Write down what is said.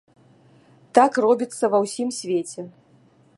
Так робіцца ва ўсім свеце.